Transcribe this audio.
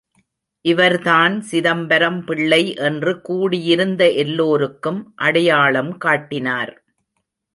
இவர் தான் சிதம்பரம் பிள்ளை என்று கூடியிருந்த எல்லோருக்கும் அடையாளம் காட்டினார்.